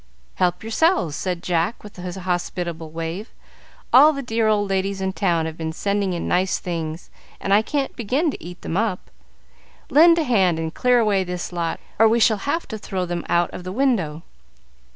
"Help yourselves," said Jack, with a hospitable wave. "All the dear old ladies in town have been sending in nice things, and I can't begin to eat them up. Lend a hand and clear away this lot, or we shall have to throw them out of the window.